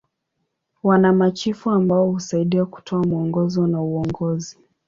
Wana machifu ambao husaidia kutoa mwongozo na uongozi.